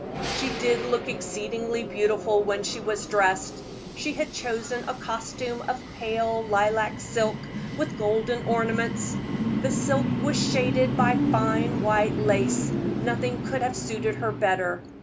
She did look exceedingly beautiful when she was dressed. She had chosen a costume of pale lilac silk, with golden ornaments. The silk was shaded by fine white lace nothing could have suited her better.